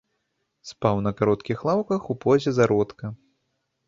Спаў на кароткіх лаўках у позе зародка.